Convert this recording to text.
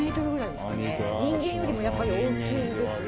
人間よりもやっぱり大きいですね。